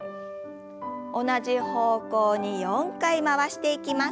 同じ方向に４回回していきます。